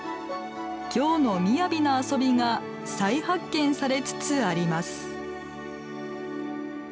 京の雅な遊びが再発見されつつあります。